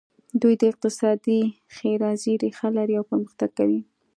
دوی د اقتصادي ښېرازۍ ریښه لري او پرمختګ کوي.